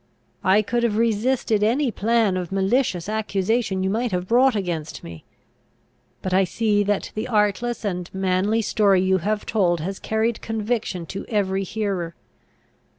I could have resisted any plan of malicious accusation you might have brought against me. But I see that the artless and manly story you have told, has carried conviction to every hearer.